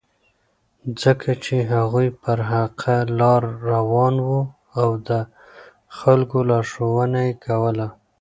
ځکه چې هغوی پر حقه لاره روان وو او د خلکو لارښوونه یې کوله.